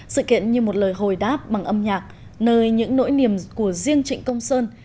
sự kiện như một lời hồi đáp bằng âm nhạc nơi những nỗi niềm của riêng trịnh công sơn